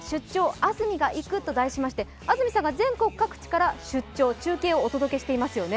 安住がいく」と題しまして安住さんが全国各地から中継をお届けしていましたね。